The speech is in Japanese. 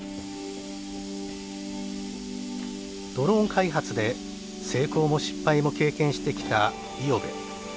ドローン開発で成功も失敗も経験してきた五百部。